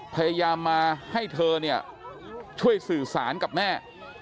พยายามมาให้เธอเนี่ยช่วยสื่อสารกับแม่